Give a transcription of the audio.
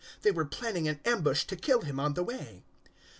They were planning an ambush to kill him on the way.